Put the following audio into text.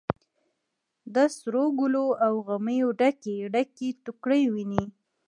د سروګلو او غمیو ډکې، ډکې ټوکرۍ ویني